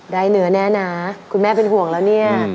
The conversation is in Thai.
ได้เหนือแนะนะครับคุณแม่เป็นห่วงแล้วเนี่ย